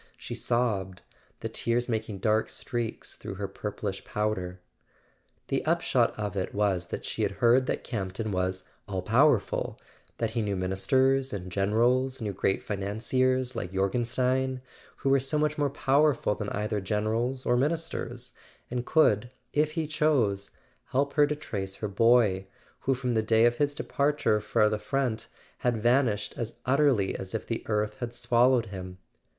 " she sobbed, the tears making dark streaks through her purplish powder. The upshot of it was that she had heard that Camp ton was "all powerful"; that he knew Ministers and Generals, knew great financiers like Jorgenstein (who were so much more powerful than either Generals or Ministers), and could, if he chose, help her to trace [ 388 ] A SON AT THE FRONT her boy, who, from the day of his departure for the front, had vanished as utterly as if the earth had swal¬ lowed him.